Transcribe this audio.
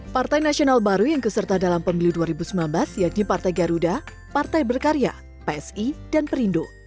partai nasional baru yang keserta dalam pemilu dua ribu sembilan belas yakni partai garuda partai berkarya psi dan perindo